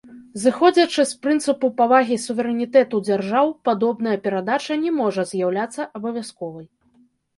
Зыходзячы з прынцыпу павагі суверэнітэту дзяржаў, падобная перадача не можа з'яўляцца абавязковай.